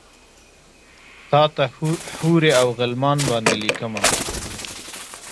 تاته حورې اوغلمان باندې لیکمه